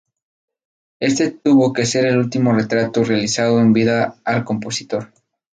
Este tuvo que ser el último retrato realizado en vida al compositor.